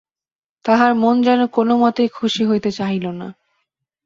তাহার মন যেন কোনোমতেই খুশি হইতে চাহিল না।